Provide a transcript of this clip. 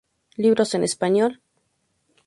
Libros en español.